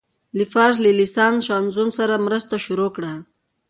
له فارس له لېساني شاونيزم سره مرسته شروع کړه.